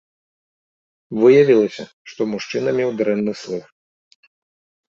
Выявілася, што мужчына меў дрэнны слых.